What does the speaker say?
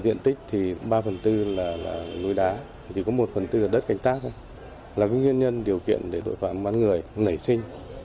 diện tích thì ba phần tư là núi đá thì có một phần tư là đất canh tác thôi là nguyên nhân điều kiện để tội phạm bán người nảy sinh